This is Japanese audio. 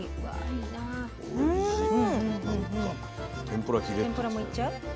天ぷらもいっちゃう？